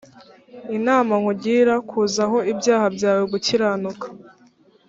inama nkugira kuzaho ibyaha byawe gukiranuka